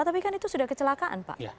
tapi kan itu sudah kecelakaan pak